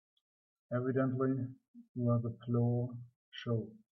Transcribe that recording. Evidently we're the floor show.